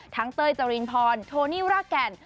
ทั้งเตยเจรินพรโทนี่ราแก่น